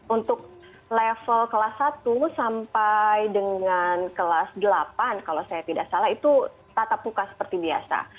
untuk level kelas satu sampai dengan kelas delapan kalau saya tidak salah itu tatap muka seperti biasa